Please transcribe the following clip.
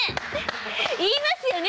言いますよね